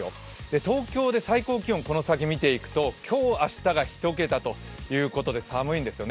東京で最高気温、この先見ていくと今日、明日が１桁ということで寒いんですよね。